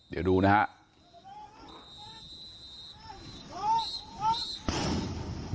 เดี๋ยวดูนะฮะ